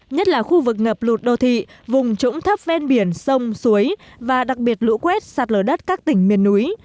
nhất là khu vực ngập lụt đô thị vùng trũng thấp ven biển sông suối và đặc biệt lũ quét sạt lở đất các tỉnh miền núi